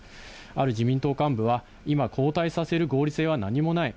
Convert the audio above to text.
ある自民党幹部は、今、交代させる合理性は何もない。